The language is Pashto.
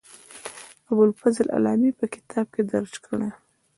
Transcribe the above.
ابوالفضل علامي په کتاب کې درج کړې.